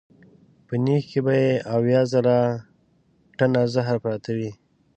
په نېښ کې به یې اویا زره ټنه زهر پراته وي.